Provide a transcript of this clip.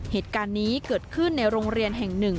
เหตุการณ์นี้เกิดขึ้นในโรงเรียนแห่งหนึ่ง